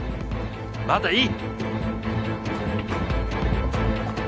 まだいい！